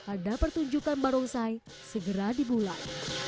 ada pertunjukan barongsai segera dibulai